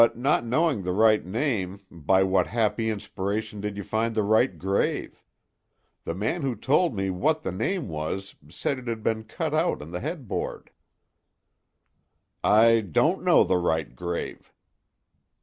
"But not knowing the right name, by what happy inspiration did you find the right grave? The man who told me what the name was said it had been cut on the headboard." "I don't know the right grave."